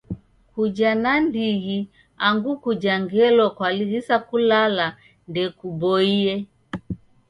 Kuja nandighi angu kuja ngelo kwalighisa kulala ndekuboie.